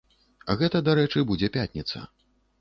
Гэта, дарэчы, будзе пятніца.